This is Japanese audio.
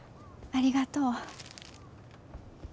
ありがとう。